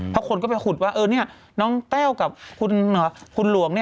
เพราะคนก็ไปขุดว่าน้องแต้วกับคุณหลวง